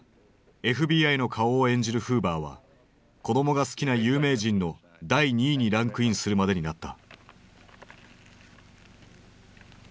ＦＢＩの顔を演じるフーバーは子供が好きな有名人の第２位にランクインするまでになった。